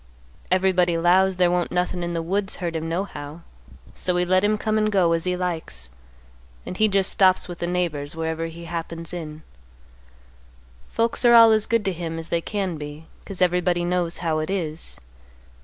Everybody 'lows there won't nothin' in the woods hurt him nohow; so we let him come and go, as he likes; and he just stops with the neighbors wherever he happens in. Folks are all as good to him as they can be, 'cause everybody knows how it is.